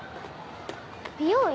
美容院？